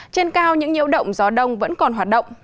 trên cao những nhiễu động gió đông vẫn còn hoạt động